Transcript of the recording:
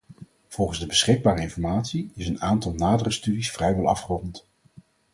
Volgens de beschikbare informatie is een aantal nadere studies vrijwel afgerond.